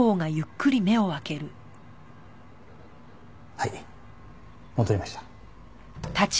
はい戻りました。